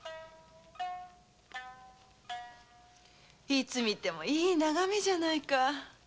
・・いつ見てもいい眺めじゃないか。